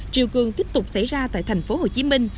triều cường tiếp tục xảy ra tại thành phố hồ chí minh